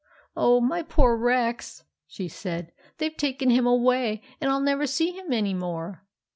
" Oh, my poor Rex !" she said. " They Ve taken him away, and I '11 never see him any more.